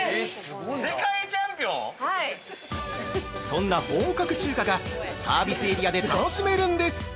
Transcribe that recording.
そんな本格中華がサービスエリアで楽しめるんです。